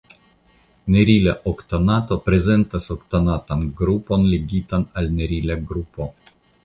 Nerila oktanato prezentas oktanatan grupon ligitan al nerila grupo.